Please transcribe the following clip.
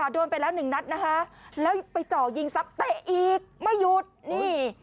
โดนไปแล้วหนึ่งนัดนะคะแล้วไปเจาะยิงทรัพย์เตะอีกไม่หยุดนี่